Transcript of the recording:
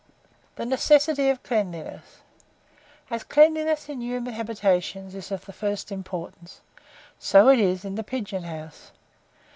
THE NECESSITY OF CLEANLINESS. As cleanliness in human habitations is of the first importance, so is it in the pigeon house.